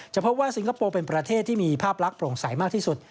พบว่าสิงคโปร์เป็นประเทศที่มีภาพลักษณ์โปร่งใสมากที่สุด